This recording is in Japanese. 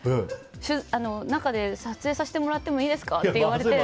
中で撮影させてもらってもいいですかって言われて。